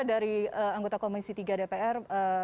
dari anggota komisi tiga dpr